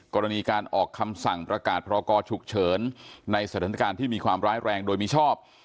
กรณีการออกคำสั่งประกาศพรกรฉุกเฉินในสถานการณ์ที่มีความร้ายแรงโดยมิชอบ